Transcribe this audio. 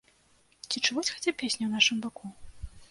Ці чуваць хаця песні ў нашым баку?